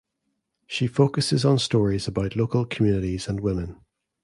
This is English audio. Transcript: She focuses on stories about local communities and women.